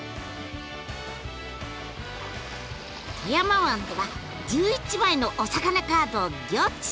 富山湾では１１枚のお魚カードをギョっち！